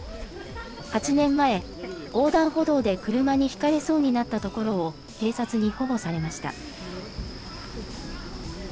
８年前、横断歩道で車にひかれそうになったところを、警察に保護されました。